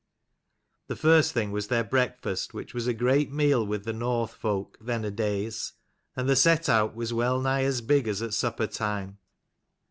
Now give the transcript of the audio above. The first thing was their breakfast, which was a great meal with the North folk then a days, and the set out was well nigh as big as at supper time.